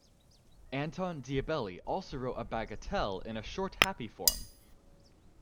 Anton Diabelli also wrote a bagatelle in a short, happy form.